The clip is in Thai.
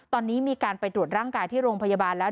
ตอนนี้มีการไปตรวจร่างกายที่โรงพยาบาลแล้ว